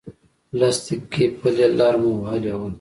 لس دقیقې پلی لاره مو وهلې وه.